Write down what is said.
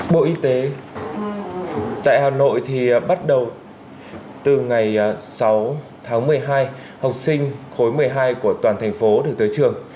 bộ y tế tại hà nội thì bắt đầu từ ngày sáu tháng một mươi hai học sinh khối một mươi hai của toàn thành phố được tới trường